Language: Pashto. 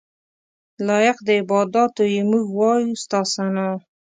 لایق د عباداتو یې موږ وایو ستا ثناء.